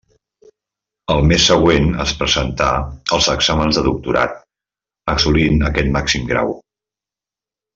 El mes següent es presentà als exàmens de doctorat, assolint aquest màxim grau.